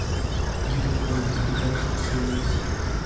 You can only spit out so many seeds.